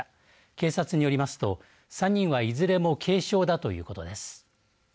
警察によりますと３人はいずれも軽傷だということです。